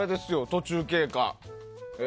途中経過。